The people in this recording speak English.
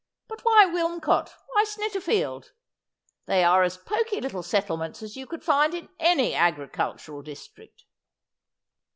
' But why Wilmcote ? why Snitterfield ? They are as poky little settlements as you could find in any agricultural district.'